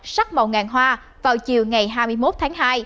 sắc màu ngàn hoa vào chiều ngày hai mươi một tháng hai